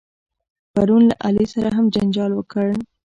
پرون له علي سره هم جنجال وکړ.